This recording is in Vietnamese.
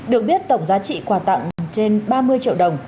được biết tổng giá trị quà tặng trên ba mươi triệu đồng